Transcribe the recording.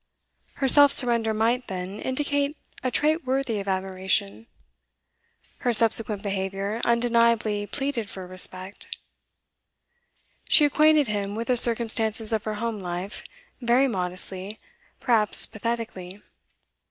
Her self surrender might, then, indicate a trait worthy of admiration. Her subsequent behaviour undeniably pleaded for respect. She acquainted him with the circumstances of her home life, very modestly, perhaps pathetically.